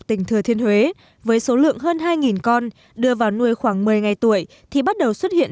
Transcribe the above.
tỉnh thừa thiên huế với số lượng hơn hai con đưa vào nuôi khoảng một mươi ngày tuổi thì bắt đầu xuất hiện